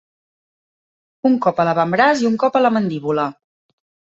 Un cop a l'avantbraç i un cop a la mandíbula.